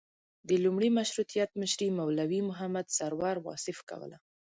د لومړي مشروطیت مشري مولوي محمد سرور واصف کوله.